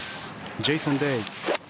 ジェイソン・デイ。